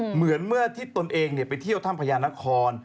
เหมือนเมื่อที่ตนเองไปเที่ยวถ้ำพญานคร